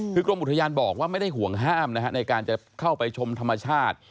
คือกรมอุทยานบอกว่าไม่ได้ห่วงห้ามนะฮะในการจะเข้าไปชมธรรมชาติ